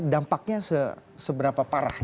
dampaknya seberapa parah